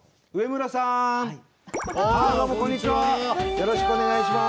よろしくお願いします。